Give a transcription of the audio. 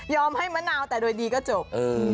ให้มะนาวแต่โดยดีก็จบ